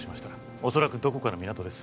おそらくどこかの港です